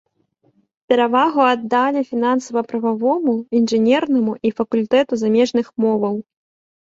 Перавагу аддалі фінансава-прававому, інжынернаму і факультэту замежных моваў.